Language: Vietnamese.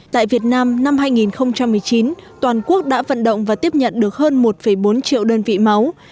tại việt nam năm hai nghìn một mươi chín toàn quốc đã vận động và tiếp nhận được hơn một bốn triệu đơn vị máu